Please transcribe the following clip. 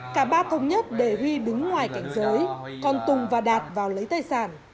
cả ba thống nhất để huy đứng ngoài cảnh giới còn tùng và đạt vào lấy tài sản